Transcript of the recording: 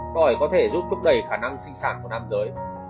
cõi có thể giúp thúc đẩy khả năng sinh sản của nam giới